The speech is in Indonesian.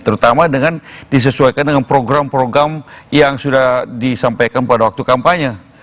terutama dengan disesuaikan dengan program program yang sudah disampaikan pada waktu kampanye